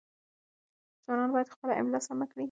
ځوانان باید خپله املاء سمه کړي.